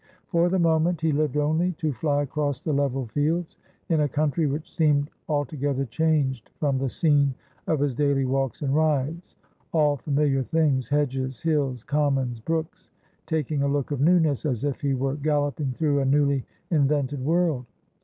For the moment he lived only to fly across the level fields, in a country which seemed altogether changed from the scene of his daily walks and rides ; all familiar things — hedges, hills, commons, brooks — taking a look of newness, as if he were galloping through a newly invented world.